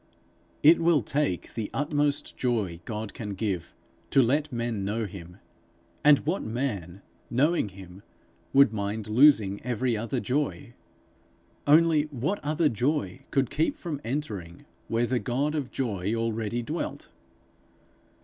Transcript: It will take the utmost joy God can give, to let men know him; and what man, knowing him, would mind losing every other joy? Only what other joy could keep from entering, where the God of joy already dwelt?